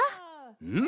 うん！